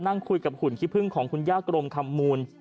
นั่งคุยกับหุ่นขี้พึ่งของคุณย่ากรมคำมูล